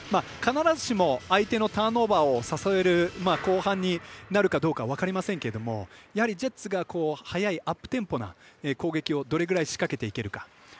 必ずしも相手のターンオーバーを誘える後半になるかどうか分かりませんけどもやはりジェッツが速いアップテンポな攻撃をどれくらい仕掛けていけるか。